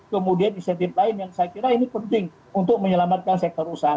kemudian insentif lain yang saya kira ini penting untuk menyelamatkan sektor usaha